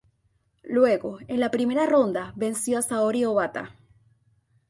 Luego, en la primera ronda, venció a Saori Obata.